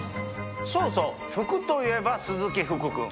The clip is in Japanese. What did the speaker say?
そうそう「ふく」といえば鈴木福くん。